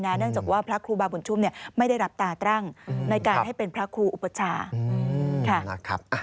เนื่องจากว่าพระครูบาบุญชุมไม่ได้รับตาตั้งในการให้เป็นพระครูอุปชานะครับ